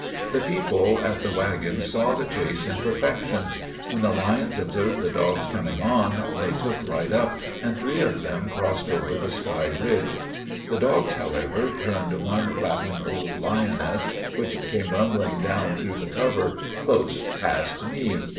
The people at the wagons saw the chase in perfection. When the lions observed the dogs coming on, they took right up, and three of them crossed over the sky ridge. The dogs, however, turned one rattling old lioness, which came rumbling down through the cover, close past me.